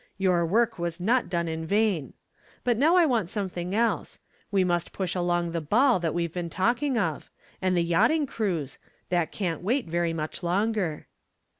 Your work was not done in vain. But now I want something else. We must push along the ball we've been talking of. And the yachting cruise that can't wait very much longer."